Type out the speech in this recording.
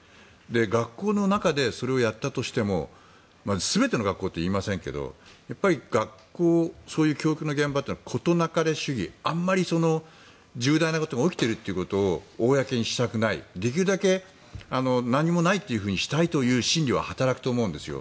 学校の中でそれをやったとしても全ての学校とは言いませんが学校、教育の現場というのは事なかれ主義あまり重大なことが起きているということを公にしたくないできるだけ何もないというふうにしたいという心理は働くと思うんですよ。